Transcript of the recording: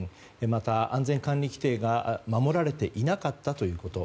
また、安全管理規程が守られていなかったということ。